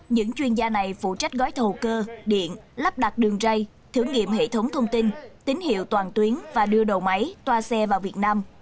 những chuyên gia này phụ trách gói thầu cơ điện lắp đặt đường ray thử nghiệm hệ thống thông tin tín hiệu toàn tuyến và đưa đầu máy toa xe vào việt nam